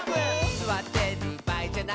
「すわってるばあいじゃない」